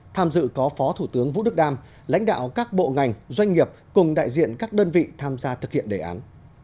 tham dự có phó thủ tướng vũ đức đam lãnh đạo các bộ ngành doanh nghiệp cùng đại diện các đơn vị tham gia thực hiện đề án